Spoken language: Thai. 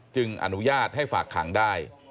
อนุญาตให้ฝากขังได้